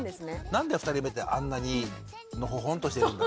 何で２人目ってあんなにのほほんとしてるんだろうね。